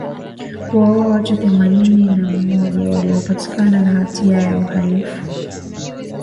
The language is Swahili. kuwaua watu themanini na moja waliopatikana na hatia ya uhalifu